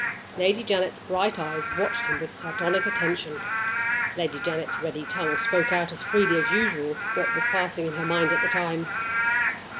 Lady Janet's bright eyes watched him with sardonic attention; Lady Janet's ready tongue spoke out as freely as usual what was passing in her mind at the time.